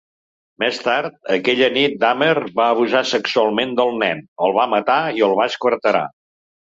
Més tard, aquella nit Dahmer va abusar sexualment del nen, el va matar i el va esquarterar.